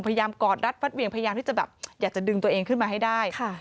กอดรัดฟัดเวียงพยายามที่จะแบบอยากจะดึงตัวเองขึ้นมาให้ได้